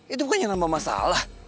itu bukan yang nambah masalah